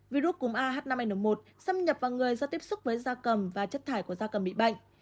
virus cúm ah năm n một xâm nhập vào người do tiếp xúc với da cầm và chất thải của da cầm bị bệnh